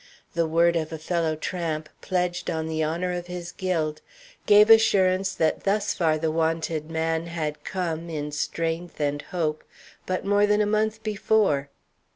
The word of a fellow tramp, pledged on the honor of his guild, gave assurance that thus far the wanted man had come in strength and hope but more than a month before.